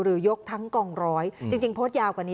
ยกทั้งกองร้อยจริงโพสต์ยาวกว่านี้